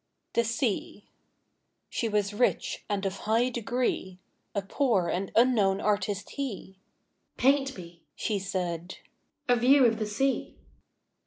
THE SEA. She was rich and of high degree; A poor and unknown artist he. "Paint me," she said, "a view of the sea."